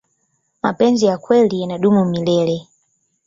mapenzi ya kweli yanadumu milele